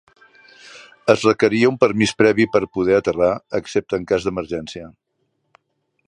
Es requeria un permís previ per poder aterrar excepte en cas d'emergència.